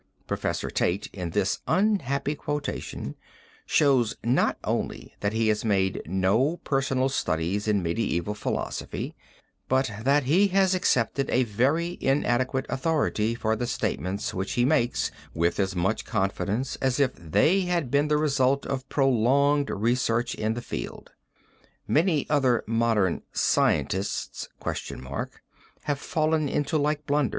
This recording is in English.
Prof. Tate in this unhappy quotation, shows not only that he has made no personal studies in medieval philosophy but that he has accepted a very inadequate authority for the statements which he makes with as much confidence as if they had been the result of prolonged research in this field. Many other modern scientists (?) have fallen into like blunders.